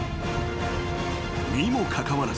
［にもかかわらず］